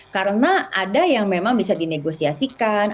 karena ada yang memang bisa dinegosiasikan